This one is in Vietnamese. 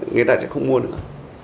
người ta sẽ không mua nữa